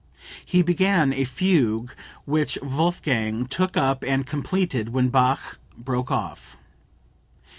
He began a fugue, which Wolfgang took up and completed when Bach broke off."